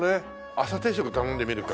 朝定食頼んでみるか。